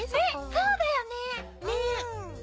そうだよね！